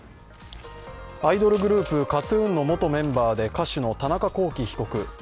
アイドルグループＫＡＴ−ＴＵＮの元メンバーで歌手の田中聖被告。